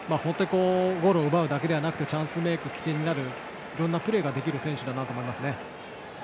ボールを奪うだけじゃなくチャンスメイクの起点になるいろんなプレーができる選手だと思います。